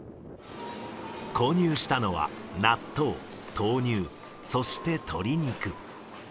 購入したのは、納豆、豆乳、そして鶏肉。